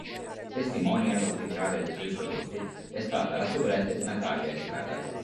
Testimonial ufficiale dei suoi prodotti è stata la soubrette Natalia Estrada.